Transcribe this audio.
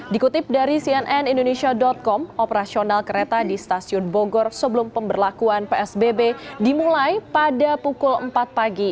dikutip dari cnn indonesia com operasional kereta di stasiun bogor sebelum pemberlakuan psbb dimulai pada pukul empat pagi